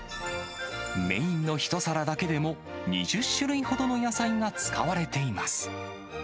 メインの一皿だけでも、２０種類ほどの野菜が使われています。